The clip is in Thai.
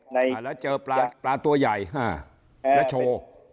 แล้วเจอปลาตัวใหญ่แล้วโชว์